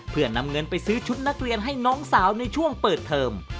เพื่อนำเงินไปซื้อชุดนักเรียนให้น้องสาวในช่วงเปิดเทอม